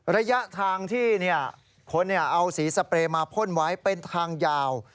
ระยะทางที่คนเอาสีสเปรย์มาพ่นไว้เป็นทางยาว